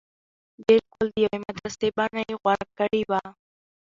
بلکل د يوې مدرسې بنه يې غوره کړې وه.